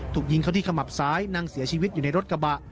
ถูกยิงเขาที่ขมับซ้ายนั่งเสียชีวิตอยู่ในรถกระบะ